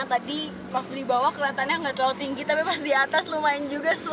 tadi waktu di bawah kelihatannya nggak terlalu tinggi tapi pas di atas lumayan juga sepuluh meter